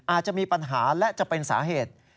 อาจจะมีปัญหาและจะเป็นสาเหตุ